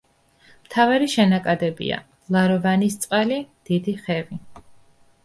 მთავარი შენაკადებია: ლაროვანისწყალი, დიდი ხევი.